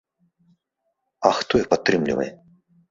А хто іх падтрымлівае?